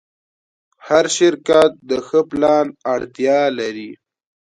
هر شرکت د ښه پلان اړتیا لري.